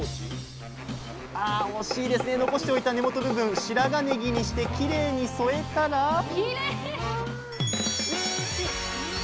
残しておいた根元部分白髪ねぎにしてきれいに添えたらきれい！わ美しい。